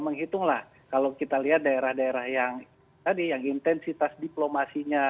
menghitunglah kalau kita lihat daerah daerah yang intensitas diplomasinya